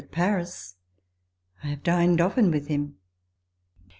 at Paris. I have dined often with him.